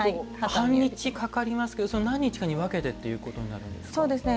半日かかりますけど何日かに分けてということになるんですか？